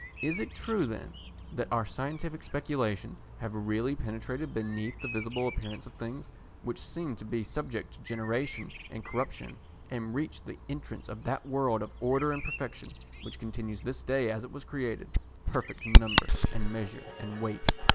Is it true then that our scientific speculations have really penetrated beneath the visible appearance of things, which seem to be subject to generation and corruption, and reached the entrance of that world of order and perfection, which continues this day as it was created, perfect in number and measure and weight?